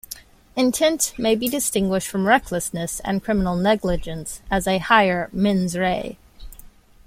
Intent may be distinguished from recklessness and criminal negligence as a higher "mens rea".